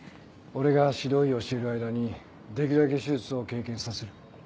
俺が指導医をしている間にできるだけ手術を経験させる。